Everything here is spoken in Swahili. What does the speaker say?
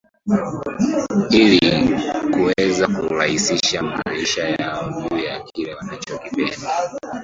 Hili kuweza kuraisisha maisha yao juu ya kile wanachokipenda